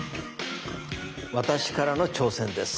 私からの挑戦です！